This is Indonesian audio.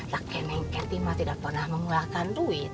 laki laki nengketi mah tidak pernah mengeluarkan duit